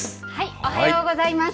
おはようございます。